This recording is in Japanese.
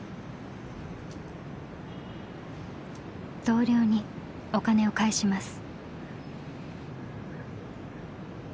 同僚にお金を返します。